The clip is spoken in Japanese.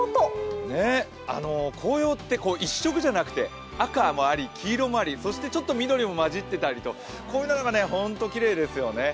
紅葉って一色じゃなくて赤もあり、黄色もあり、そしてちょっと緑も混じってたりとこういうのがホントきれいですよね。